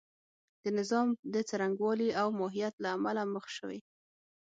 د نظام د څرنګوالي او ماهیت له امله مخ شوې.